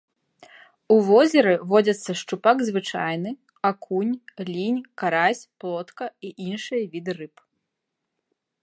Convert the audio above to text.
У возеры водзяцца шчупак звычайны, акунь, лінь, карась, плотка і іншыя віды рыб.